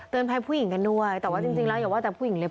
ภัยผู้หญิงกันด้วยแต่ว่าจริงแล้วอย่าว่าแต่ผู้หญิงเลย